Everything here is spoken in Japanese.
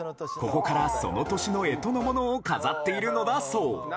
ここからその年のえとのものを飾っているのだそう。